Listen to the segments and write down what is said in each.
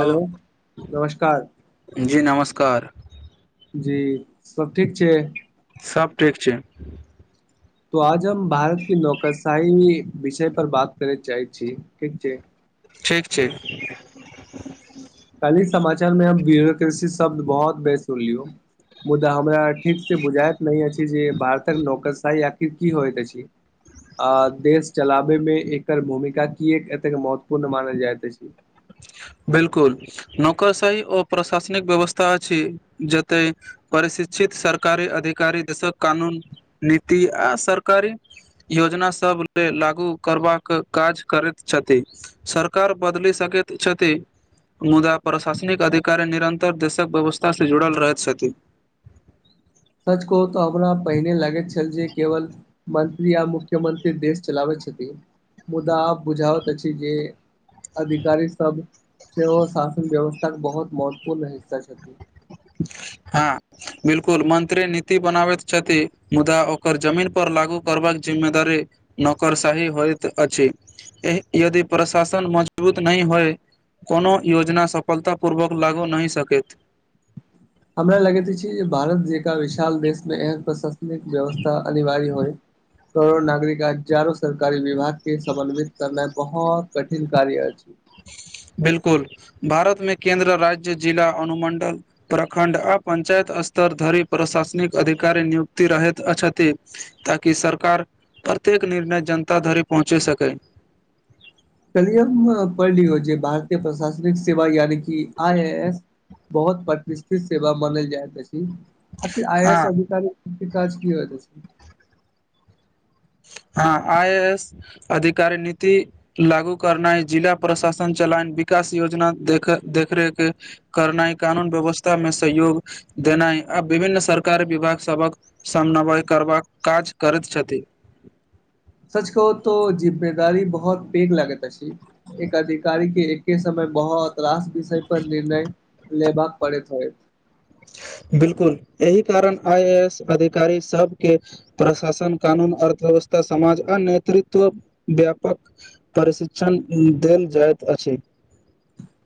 hello नमस्कार जी नमस्कार जी सब ठीक छै सब ठिक छै तो आज हम भारत की नौकर शाही में विषय पर बात करे चाहे छी ठीक छै ठीक छै कालहि समाचार में हम ब्यरोक्रेसी शब्द बहुत बे सुनलियो मुदा हमरा ठीक से बुझाइत नहि अछि जे भारत कऽ नौकर शाहीआखिर की होइत अछि अऽ देश चलाबै में एकर भूमिका कए एतेक महत्वपूर्ण मानल जाइत अछि बिल्कुल नौकर साही ओ प्रशासनिक व्यवस्था अछी जतेक परि शिक्षित सरकारी अधिकारी दशक कानून नीति आ सरकारी योजना सब लेल लागू करबाक काज करैत छथी सरकार बदले संकेत छती मुदा प्रशासनिक अधिकारी निरन्तर देशक व्यवस्था से जुड़ल रहैत छथि सच कहु तऽ हमरा पहिने लागैत छल जे केवल मंत्री आ मुख्य मंत्री देश चलाबै छथि मुदा आब बुझावैत अछि जे अधिकारी सब सेहो शासन व्यवस्था के बहुत महत्वपूर्ण हिस्सा छथि हाँ बिल्कुल मंत्री नीति बनाबैत छथि मुदा ओकर जमीन पर लागू करबक जिम्मेदारी नौकर साही होइत अछि यदि प्रशासन मजबूत नहि होए कोनो योजना सफलता पूर्वक लागू नहि सकैत हमरा लगैत अछि जे भारत जेका विशाल देश में एहन प्रशासनिक व्यवस्था अनिवार्य होई करोड़ो नागरिक हजारो सरकारी विभाग के समन्वित करनै बहुत कठिन कार्य अछी बिल्कुल भारत में केन्द्र राज्य जिला अनुमंडल प्रखंड आ पंचायत स्तर धरी प्रशासनिक अधिकारी नियुक्तति रहे अछती ताकि सरकार प्रत्येक निर्णय जनता धरिे पहुँचे सकै कलियम पढ़लिऔ जे भारतीय प्रशासनिक सेवा यानि कि आई ए एस बहुत प्रतिष्ठित सेवा मानल जाइत अछि अते आइ ए हँ एस अधिकारी काज की होइत जा हाँ आइ ए एस अधिकारी नीति लागू करनाइ जिला प्रशासन चलान विकास योजना देख देख रेख करनाई कानून व्यवस्था में सहयोग देनाई आ विभिन्न सरकार विभाग सबक समन्वय करबाक काज करैत छथि सच कहू तो जिब गाड़ी बहुत पेघ लगैत अछि एक अधिकारी के एके समय बहुत रास विषय पर निर्णय लेबाक पड़ेैत होय बिल्कुल एहि कारण आइ ए एस अधिकारी सब के प्रशासन कानून अर्थव्यवस्था समाज आ नेतृत्व व्यापक प्रशिक्षण देल जाइत अछी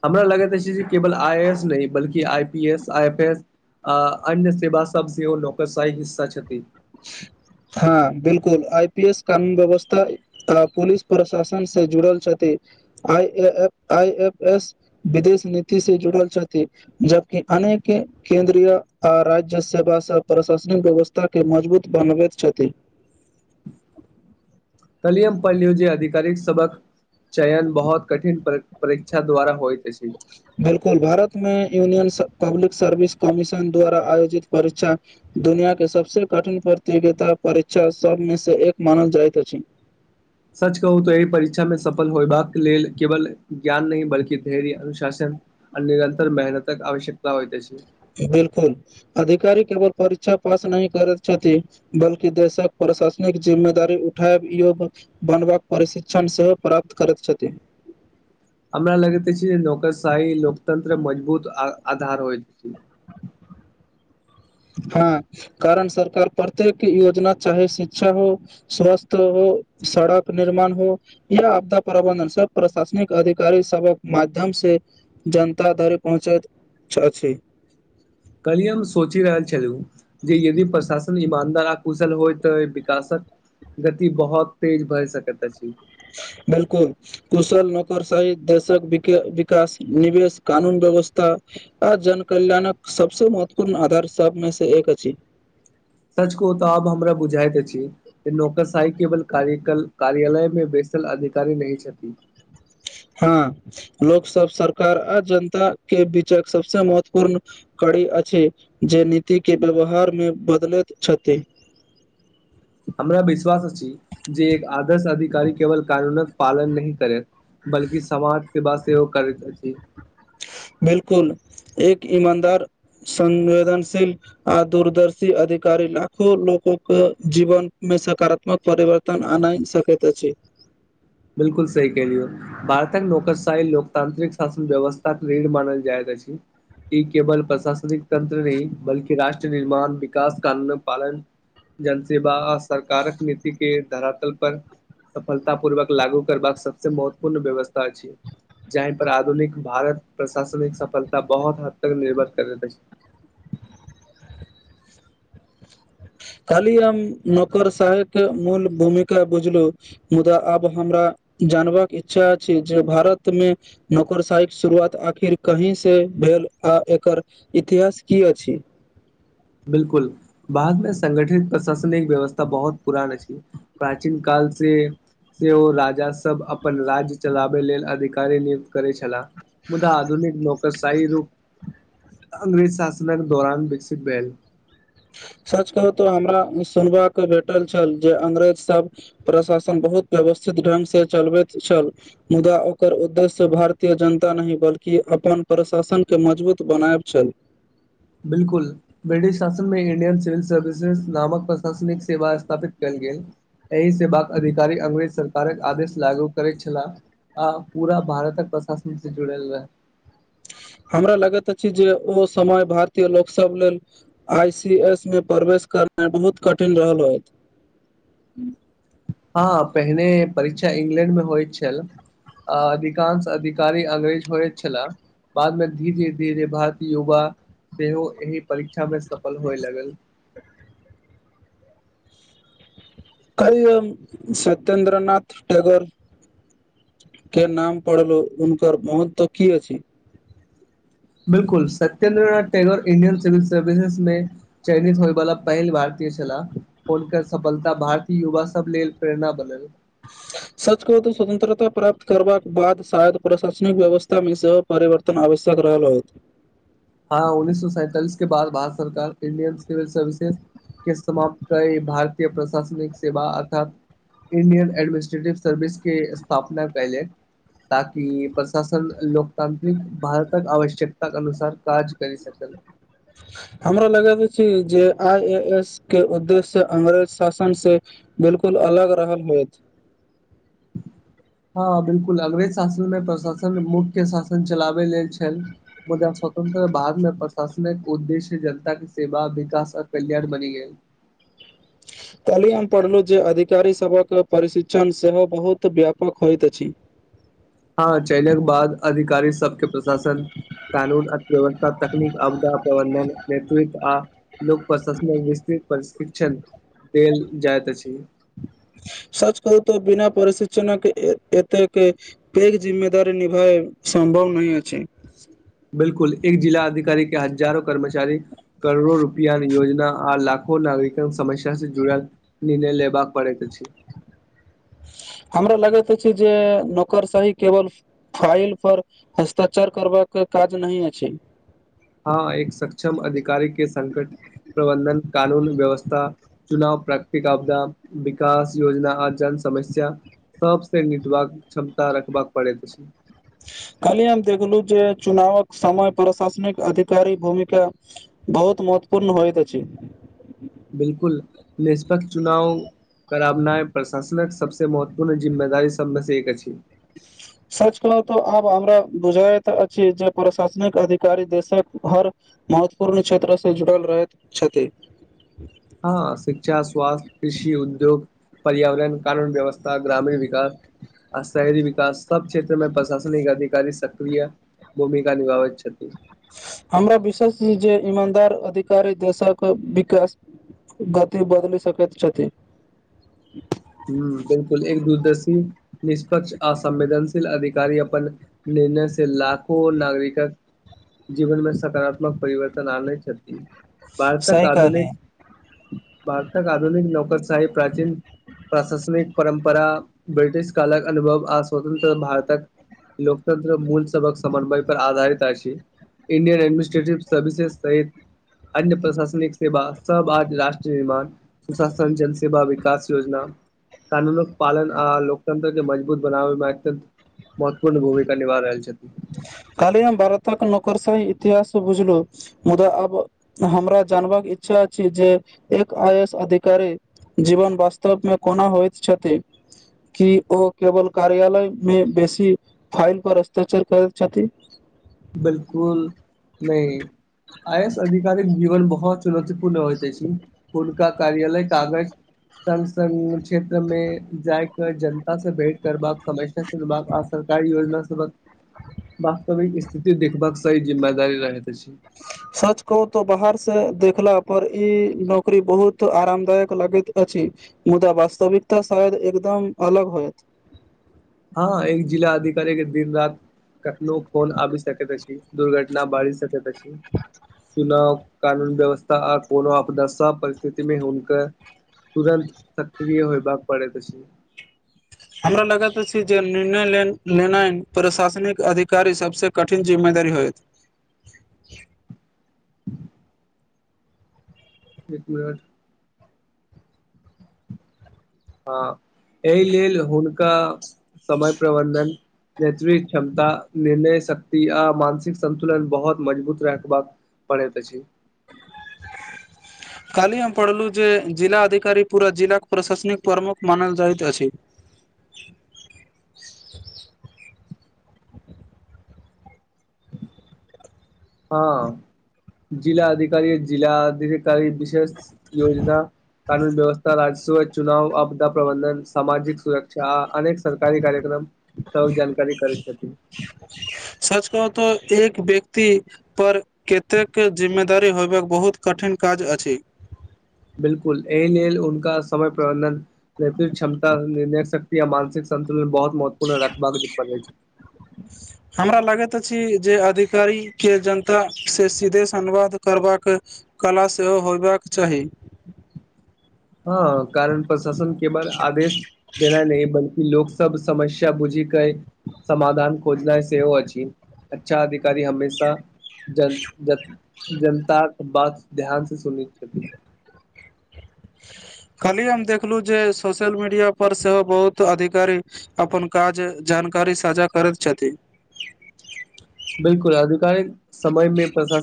हमरा लगैत अछी केवल आई ए एस नहि बल्कि I P S I F S आ अन्य सेवा सब जे नौकरशाहीट हिस्सा छथिन हाँ बिल्कुल आई पी एस कानून व्यवस्था आ पुलिस प्रशासन से जुड़ल छथि आ I A I F S विदेश नीति से जुड़ल छथिन जबकी अनेक केंन्द्रीय आ राज्य सेवा स प्रशासनिक व्यवस्था के मजबूत बनबैत छथि कल्हि पढ़लीओ जे आधिकारिक सबक चयन बहुत कठिन पर परीक्षा द्वारा होईत अछी बिल्कुल भारत में यूनियन पब्लिक सर्विस कमीशन द्वारा आयोजित परीक्षा दुनिया के सबसे कठिन प्रतियोगिता परीक्षा सब में से एक मानल जाइत अछि सच कहू तऽ एहि परीक्षा मे सफल होयबाक लेल केवल ज्ञान नहि बल्कि धैर्य अनुशासन आ निरंतर मेहनतक आवश्यकता होइत अछि बिल्कुल अधिकारी केवल परीक्षा पास नहि करैत छथि बल्कि देशक प्रशासनिक जिम्मेदारी उठाय योग बनबाक परशिक्षण सेहो प्राप्त करैत छथिन हमरा लगिते अछि जे नौकरशाही लोकतंत्र मजबूत आधार होइत हँ कारण सरकार प्रत्येक योजना चाहे शिक्षा हो स्वस्थ हो सड़क निर्माण हो य आपदा प्रबंधन सब प्रशासनिक अधिकारी सबक माध्यम से जनता धरि पहुँचैत अछि कहलिय हम सोचि रहल छलहु जे यदि प्रशासन ईमानदार आकुशल होय तऽ विकासक गति बहुत तेज भए सकैत अछि बिल्कुल कुशल नौकर शाही देशक विके विकास निवेश कानून व्यवस्था आ जन कल्याणक सब से महत्वपूर्ण आधार सब में से एक अछि सच कहु तऽ आब हमरा बुझाइत अछि नौकर शाही केवल कार्यकल कार्यालय मे वैसल अधिकारी नहि छथिती हँ लोक सब सरकार आ जनता के बीचक सबसे महत्वपूर्ण करी अछि जे नीति के व्यवहार मे बदलैत छथि हमरा विश्वास अछि जे एक आदर्श अधिकारी केवल कानून क पालन नहि करैत बल्कि समाज सेवा सेहो करैत अछि बिल्कुल एक ईमानदार संवेदनशील आ दूरदर्शी अधिकारी लाखो लोको के जीवन मे सकारात्म परिवर्तन आनय सकैत अछि बिल्कुल सही कहलियौ भारतक नौकरशाही लोकतांत्रिक शासन व्यवस्थााक रीढ़ मानल जायत अछि ई केवल प्रशासनिक तंत्र नहि बल्कि राष्ट्र निर्माण विकास कानून पालन जन सेेवा आ सरकारक नीति के धरातल पर सफलता पूर्वक लागू करबाक सबसे महत्वपूर्ण व्यवस्था अछि जह पर आधुनिक भारत प्रशासनिक सफलता बहुत हद तक निर्भर करैत अछि खाली हम नौकर सहायक मूल भूमिका बुझलू मुदा आब हमरा जानबाक इच्छा अछि जे भारत मे नौकरशाही के शुरुआत आखिर कहीं से भेल आ एकर इतिहास की अछि बिल्कुल बादमे संगठित प्रशासनिक व्यवस्था बहुत पुरान अछि प्राचीन काल से सेहो राजासभ अपन राज्य चलाबै लेल अधिकारी नियुक्त करैत छलाह मुदा आधुनिक नौकरशाही रूप अंग्रेज शासनक दौरान विकसित भेल सच कहू तो हमरा सुनबा भेटल छल जे अंग्रेज सब प्रशासन बहुत व्यवस्थित दंग से चलबैत छल मुदा ओकर उद्देश्य भारतीय जनता नहि बल्कि अपन प्रशासन के मजबूत बनायब छल बिल्कुल ब्रिटिश शासन मे इंडियन सिविल सर्विसेज नामक प्रशासनिक सेवा स्थापित कयल गेल एहि सेवाक अधिकारी अंग्रेज सरकारक आदेश लागू करैत छलाह आ पूरा भारतक प्रशासन से जुड़ल रहै हमरा लगैत अछि जे ओ समय भारतीय लोकसभ लेल आइ सी एस मे प्रवेश करनाई बहुत कठिन रहल होत हँ पहिने परीक्षा इंग्लैंड मे होयत छल अ अधिकांश अधिकारी अंग्रेज होयत छला बादमे धीरे धीरे भारतीय युवा सेहो एहि परीक्षा मे सफल होय लगल [unintelligible] सत्येन्द्रनाथ टेगोर के नाम पढ़लहु हुनकर महत्व की अछि बिल्कुल Satyendranath Tagore Indian civil services मे चयनित होइ बला पहिल भारतीय छला हुनकर सफलता भारतीय युवा सब लेल प्रेरणा बनल सचकहु तऽ स्वतंत्रता प्राप्त करबाक बाद शायद प्रशासनिक व्यवस्थामे सब परिवर्तन आवश्यक रहल होयत हँ उन्नीस सौ सैंतालिस के बाद भारत सरकार इंडियन सिविल सर्विसेस के समाप्त कई भारतीय प्रशासनिक सेवा अर्थात इंडियन एडमनिस्ट्रेटिव सर्विस के स्थापना कैले ताकि प्रशासन लोकतांत्रिक भारतक आवश्यकता के अनुसार काज करै सकल हमरा लगैत छै जे आई ए एस के उद्देश्य से अंग्रेज शासन से बिल्कुल अलग रहल होएत हँ बिल्कुल अंग्रेज शासनमे प्रशासन मुख्य शासन चलाबै लेल छल मुदा स्वतंत्र भारत मे प्रशासनिक उद्देश्य जनता के सेवा विकास आ कल्याण बनी गेल कल्हि हम पढ़लहुँ जे अधिकारीसभक प्रशिक्षण सेहो बहुत व्यापक होयत अछि हँ चलने के बाद अधिकारी सबके प्रशासन कानून अर्थव्यवस्था तकनीक आपदा प्रबंधन नेतृत्व आ लोक प्रशासन मे विस्तृत प्रशिक्षण देल जाइत अछि सच कहू तऽ बिना पशिक्षनक एत एतके फेर जिम्ममेदारी निभाय सम्भव नहि अछि बिल्कुल एक जिला अधिकारी के हजारो कर्मचारी करोड़ो रुपया योजना आ लाखो नागरिक समस्या से जुड़ल निर्णय लेबाक पड़ैत अछि हमरा लगैत छै जे नौकर सही केवल फाईल पर हस्ताक्षर करबाक काज नहि अछि हँ एक सक्षम अधिकारी के संकट प्रबन्धन कानून व्यवस्था चुनाव प्रकृित आपदा विकास योजना आ जन समस्या सबसँ मिथिलाक क्षमता रखबाक पड़ैत अछि कलहि हम देखलहु जे चुनावक समय प्रशासनिक अधिकारी भूमिका बहुत महत्वपूर्ण होयत अछि बिल्कुल निष्पक्ष चुनाव करबना प्रशासन सबसँ महत्वपूर्ण जिम्मेदारी सबमे से एक अछि सच कहलहु तऽ आब हमरा बुझायत अछि जे प्रशासनिक अधिकारी देशक हर महत्वपूर्ण क्षेत्र से जुड़ल रहैत छथि हँ शिक्षा स्वास्थ्य कृषि उद्योग पर्यावरण कानून व्यवस्था ग्रामीण विकास आ शहरी विकास सब क्षेत्रमे प्रशासनिक अधिकारी सक्रिय भूमिका निभाबै छथि हमरा विशेष जे ईमानदार अधिकारी देशक विकास गति बदलि सकैत छथि ह बिल्कुल एक दूरदर्शी निष्पक्ष आ संवेदनशील अधिकारी अपन निर्णय से लाखो नागरिकक जीवनमे सकारात्मक परिवर्तन आने छथि भारतक सही आधुनिक कहलियै भारतक आधुनिक नौकरशाही प्राचीन प्रशासनिक परम्परा ब्रिटिश कालक अनुभव आ स्वतन्त्र भारतक लोकतंत्र मूल सबक समन्वय पर आधारित अछि इंडियन एडमिनिस्ट्रेटिव सर्विसेस सहित अन्य प्रशासनिक सेवा सब आज राष्ट्र निर्माण सुशासन जल सेवा विकास योजना कानूनक पालन आ लोकतंत्र के मजबूत बनाबै मे अत्यन्त मत्वपूर्ण भूमिका निभा रहल छैथ काली हम बारतक नौकरशाही इतिहास बुझलौ मुदा अब हमरा जानबाक इच्छा अछि जे एक आइ ए एस अधिकारी जीवन वास्तवमे कोना होइत छथि कि ओ केवल कार्यालय मे बेसी फाइल पर अस्ताक्षर करैत छथि बिलकुल नहि आयस आधिकारिक जीवन बहुत चुनौतीपूर्ण होइत अछी हुनका कार्यालय कागज सस क्षेत्र मे जायाक जनता से भेंट करबाक सम ब आ सरकारी योजना सभक वास्तविक इस स्थिति देखबाक सही जिम्मेदारी रहैत अछि सच कहू त बाहर से देखला पर ई नौकरी बहुत आरामदायक लगैत मुदा वास्तविकता शायद एकदम अलग होयत हँ एक जिला अधिकारी के दिन रात कखनो फोन आबि सकैत अछि दुर्घटना बाजि सकैत अछि चुनाव कानून व्यवस्था आ कोनो आपद परिस्थिति मे हुनकर तुरन्त सक्रीय होइबाक पड़ैत अछी हमरा लगैत अछि जे निर्णये लेन लेनाइ प्रशासनिक अधिकारी सबसे कठिन जिम्मेदारी होएत एक मिनट हँ एहि लेल हुनका समय प्रबन्धन नेट्री क्षमता निर्णय शक्ति आ मानसिक संन्तुलन बहुत मजबूत रखबाक परैत अछी काली हम पढ़लु जे जिला अधिकारी पूरा जिलाके प्रशासनिक प्रमुख मानल जाइत अछि हँ जिला अधिकारी जिला अधिकारी विशेष योजना कानून व्यवस्था राजस चुनाव आपदा प्रबंधन सामाजिक सुरक्षा आ अनेक सरकारी कार्यक्रम सब जानकारी करै छथि सच कहु तऽ एक व्यक्ति पर कतेक जिम्मेदारी होयबाक बहुत कठिन काज अछि बिलकुल एहि लेल उनका समय प्रबंधन न क्षमता निर्णेक शक्ति आ मानसिक संन्तुलन बहुत महत्वपूर्ण रखबाक पड़ै छै [inaudible] हमरा लागैत अछी जे अधिकारी के जनता से सीधे से अनुवाद करबाक कला सेहो होयबाक चाही हँ कारण प्रशासन केवल आदेश देना नहि बल्कि लोक सब समस्या बुझी के समाधान खोजनाइ सेहो अछि अच्छा अधिकारी हमेशा जल जन जनता बातक ध्यान से सुनै छथि कार्बी हम देखलहुँ जे सोशल मीडिय पर सेहो बहुत अधिकारी अपन काज जानकारी साझा करैत छथिन बिलकुल आधिकारिक समय मे प्रशासन